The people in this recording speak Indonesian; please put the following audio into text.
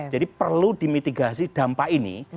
jadi perlu dimitigasi dampak ini